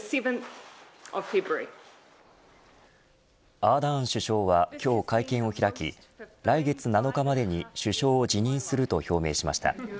アーダーン首相は今日会見を開き来月７日までに首相を辞任すると表明しました。